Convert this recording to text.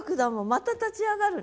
また立ち上がるのよ。